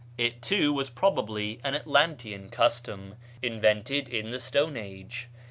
It, too, was probably an Atlantean custom, invented in the Stone Age.